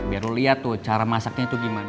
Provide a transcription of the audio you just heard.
biar lo liat tuh cara masaknya tuh gimana